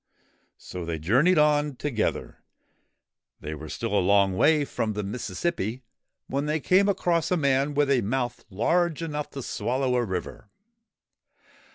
So they journeyed on together. They were still a long way from the Mississippi when they came across a man with a mouth large enough to swallow a river.